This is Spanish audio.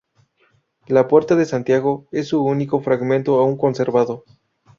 La "Puerta de Santiago" es su único fragmento aún conservado.